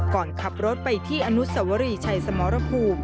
ก่อนขับรถไปที่อนุสวรีชัยสมรภูมิ